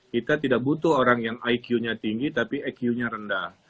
kita tidak butuh orang yang iq nya tinggi tapi iq nya rendah